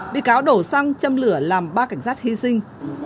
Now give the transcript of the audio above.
bị cáo đổ xăng châm lửa làm ba cảnh sát hy sinh